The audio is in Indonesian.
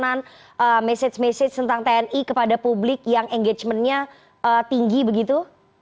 maksudnya ada mesin mesin tentang tni kepada publik yang engagementnya tinggi begitu